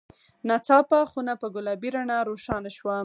ناڅاپه خونه په ګلابي رڼا روښانه شوه.